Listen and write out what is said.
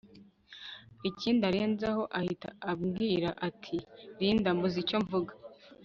ikindi arenzaho ahita ambwita ati Linda mbuze icyo mvuga